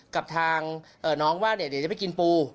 กับทางน้องว่าเดี๋ยวจะไปกินปู